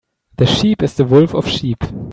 The sheep is the wolf of sheep.